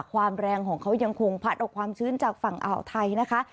ความแรงของเขายังคงพัดเอาความชื้นจากฝั่งอ่าวไทยนะคะ